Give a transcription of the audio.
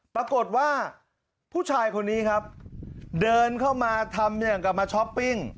ปรากฏว่าผู้ชายคนนี้ครับเดินเข้ามาทำอย่างกลับมาช้อปปิ้ง